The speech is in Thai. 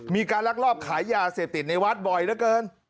มีการลักลอบขายยาเสพติดในวัดบ่อยเหลือเกิน